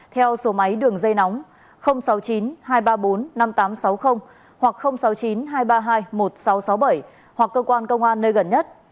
theo số máy đường dây nóng sáu mươi chín hai trăm ba mươi bốn năm nghìn tám trăm sáu mươi hoặc sáu mươi chín hai trăm ba mươi hai một nghìn sáu trăm sáu mươi bảy hoặc cơ quan công an nơi gần nhất